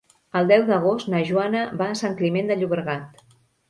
El deu d'agost na Joana va a Sant Climent de Llobregat.